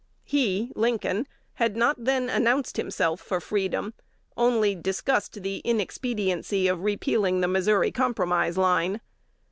He (Lincoln) had not then announced himself for freedom, only discussed the inexpediency of repealing the Missouri Compromise Line.